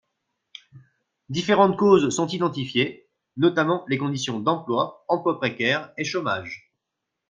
Différentes causes sont identifiées, notamment les conditions d’emploi, emploi précaire et chômage.